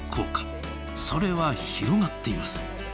それは広がっています。